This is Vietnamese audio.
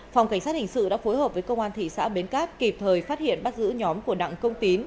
phòng cảnh sát hình sự đã phối hợp với công an thị xã bến cát kịp thời phát hiện bắt giữ nhóm của đặng công tín